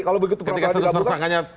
ketika status tersangkanya